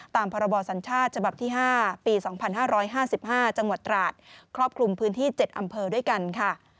ตามพศฉ๕ปศ๒๕๕๕จังหวัดตราชครอบคลุมพื้นที่๗อำเภอด้วยกันค่ะ